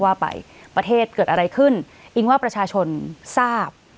ว่าไปประเทศเกิดอะไรขึ้นอิงว่าประชาชนทราบ